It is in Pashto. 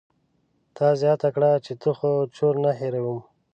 تا زياته کړه چې ته خو چور نه هېروم.